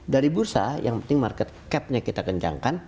dari bursa yang penting market cap nya kita kencangkan